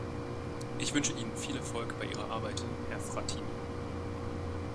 Ich wünsche Ihnen viel Erfolg bei Ihrer Arbeit, Herr Frattini.